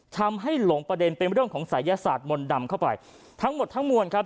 ทำให้หลงประเด็นเป็นเรื่องของศัยศาสตร์มนต์ดำเข้าไปทั้งหมดทั้งมวลครับ